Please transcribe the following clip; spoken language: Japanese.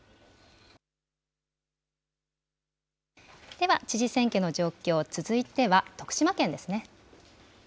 では、知事選挙の状況、続いては徳島県ですね。